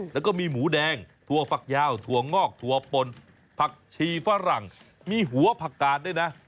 แล้วก็มีหมูแดงถั่วฝักยาวถั่วงอกถั่วปนผักชีฝรั่งมีหัวผักกาดด้วยนะ